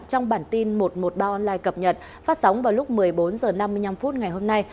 trong bản tin một trăm một mươi ba online cập nhật phát sóng vào lúc một mươi bốn h năm mươi năm ngày hôm nay